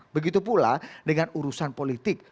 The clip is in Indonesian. begitu pula dengan urusan politik